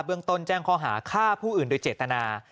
เมืองต้นแจ้งข้อหาฆ่าผู้อื่นโดยเจตนา